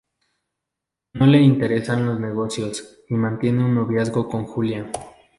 No le interesan los negocios y mantiene un noviazgo con Julia.